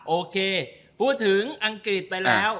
โอเคพูดถึงอังกฤษไปแล้ว